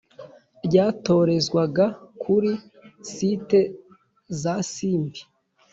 ryatorezwaga kuri sites za Simbi